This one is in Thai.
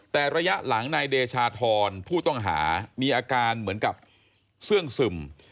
แต่ระยะหลังนายเดชาธรผู้ต้องหามีอาการเหมือนกับเสื้องซึม